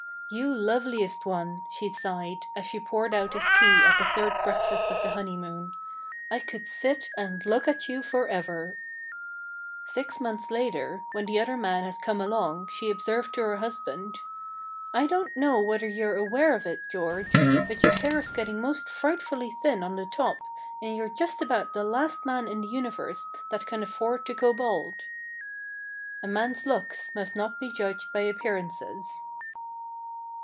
"You loveliest one!" she sighed, as she poured out his tea at the third breakfast of the honeymoon. "I could sit and look at you for ever." Six months later, when the other man had come along, she observed to her husband: "I don't know whether you're aware of it, George, but your hair's getting most frightfully thin on the top, and you're just about the last man in the universe that can afford to go bald." A man's looks must not be judged by appearances.